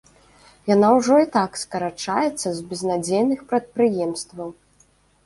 Яна ўжо і так скарачаецца з безнадзейных прадпрыемстваў.